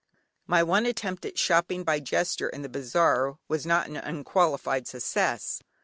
My one attempt at shopping by gesture in the bazaar was not an unqualified success.